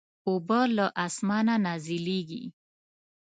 اوبه له اسمانه نازلېږي.